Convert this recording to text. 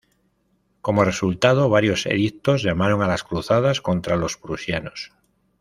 Como resultado, varios edictos llamaron a las cruzadas contra los prusianos.